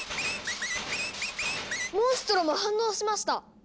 モンストロも反応しました！